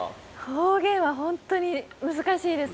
方言は本当に難しいです。